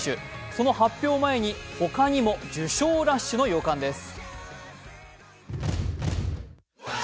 その発表を前に、他にも受賞ラッシュの予感です。